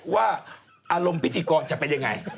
ว่าอารมณ์พิธีกรจะเป็นยังไง